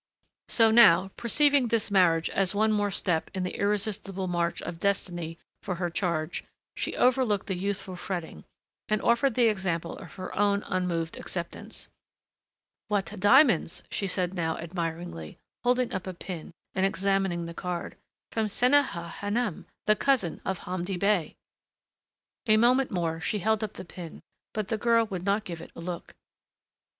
So now, perceiving this marriage as one more step in the irresistible march of destiny for her charge, she overlooked the youthful fretting and offered the example of her own unmoved acceptance. "What diamonds!" she said now admiringly, holding up a pin, and, examining the card. "From Seniha Hanum the cousin of Hamdi Bey." A moment more she held up the pin but the girl would not give it a look.